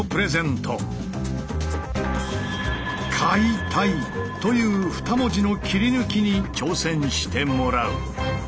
「解体」という２文字の切り抜きに挑戦してもらう。